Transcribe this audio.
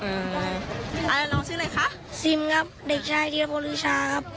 อืมอ่าแล้วน้องชื่ออะไรคะซิมครับเด็กชายที่ภาพวิชาครับ